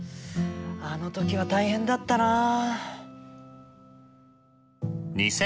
あの時は大変だったなあ。